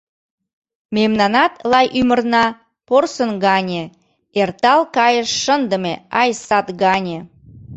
Мемнанат-лай ӱмырна — порсын гане, эртал кайыш шындыме, ай, сад гане.